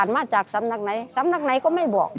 ไม่บอก